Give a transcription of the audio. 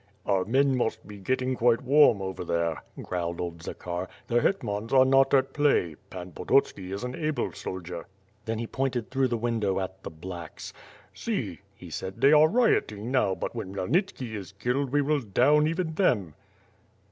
"Our men must be getting quite warm over there," growled old Zakhar, "the hetmans are not at play, Pan Pototski is an able soldier." Then he pointed through the window at the "Blacks." "See," he said, "they are rioting now but when Khmyeln itski is killed we will 'down' even them!"